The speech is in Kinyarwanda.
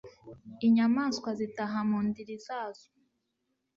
inyamaswa zitaha mu ndiri zazo